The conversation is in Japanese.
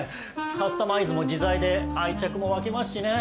カスタマイズも自在で愛着も湧きますしね。